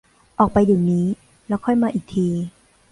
ออกไปเดี๋ยวนี้แล้วค่อยมาอีกที